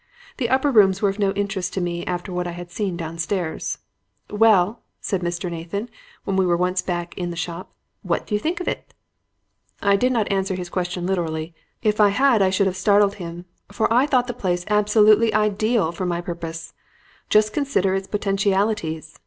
The upper rooms were of no interest to me after what I had seen downstairs. "'Well,' said Mr. Nathan when we were once more back in the shop, 'what do you think of it?' "I did not answer his question literally. If I had, I should have startled him. For I thought the place absolutely ideal for my purpose. Just consider its potentialities!